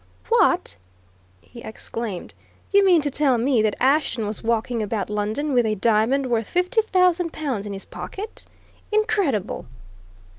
"What!" he exclaimed. "You mean to tell me that Ashton was walking about London with a diamond worth fifty thousand pounds in his pocket? Incredible!"